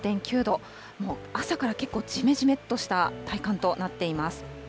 もう朝から結構、じめじめっとした体感となっています。